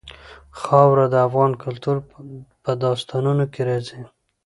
خاوره د افغان کلتور په داستانونو کې راځي.